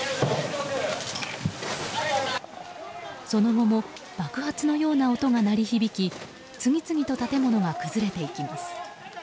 その後も爆発のような音が鳴り響き次々と建物が崩れていきます。